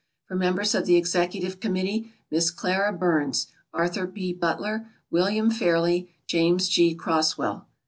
For members of the executive committee: Miss Clara Byrnes, Arthur P. Butler, William Fairley, James G. Croswell.